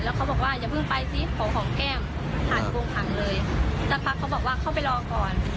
เขาบอกว่าอย่าเพิ่งไปซิขอหอมแก้มผ่านโกงขังเลยสักพักเขาบอกว่าเข้าไปรอก่อน